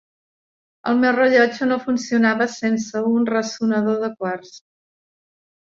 El meu rellotge no funcionava sense un ressonador de quars.